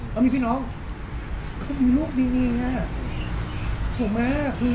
เขามีพี่น้องเขามีลูกมีเองน่ะถูกไหมคือ